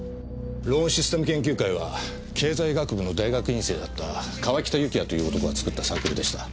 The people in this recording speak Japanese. ローンシステム研究会は経済学部の大学院生だった川北幸也という男が作ったサークルでした。